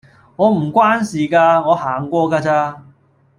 我唔關事㗎，我行過㗎咋